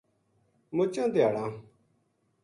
مُچاں دھیاڑاں